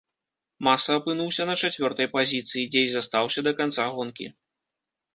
Маса апынуўся на чацвёртай пазіцыі, дзе і застаўся да канца гонкі.